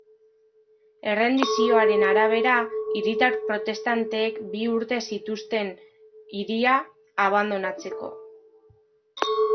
Errendizioaren arabera, hiritar protestanteek bi urte zituzten hiria abandonatzeko.